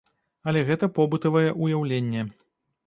Але гэта побытавае ўяўленне.